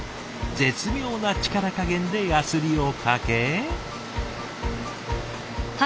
絶妙な力加減でやすりをかけ。